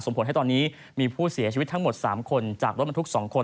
ผลให้ตอนนี้มีผู้เสียชีวิตทั้งหมด๓คนจากรถบรรทุก๒คน